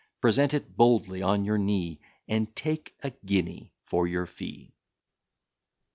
Present it boldly on your knee, And take a guinea for your fee.